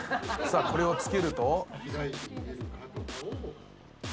さあこれをつけると。